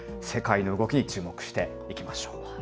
世界の動きに注目していきましょう。